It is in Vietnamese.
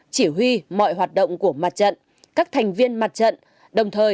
chỉ huy mọi hoạt động của mặt trận các thành viên mặt trận